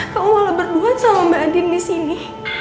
kamu malah berdua sama mbak adin disini